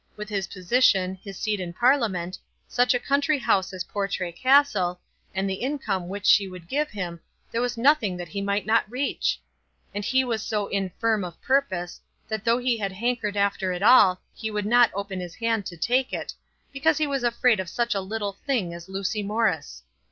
With his position, his seat in Parliament, such a country house as Portray Castle, and the income which she would give him, there was nothing that he might not reach! And he was so infirm of purpose, that though he had hankered after it all, he would not open his hand to take it, because he was afraid of such a little thing as Lucy Morris!